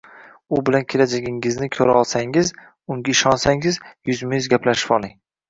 U bilan kelajagingizni ko`rolsangiz, unga ishonsangiz yuzma yuz gaplashib oling